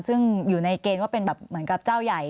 ซึ่งอยู่ในเกณฑ์ว่าเป็นแบบเหมือนกับเจ้าใหญ่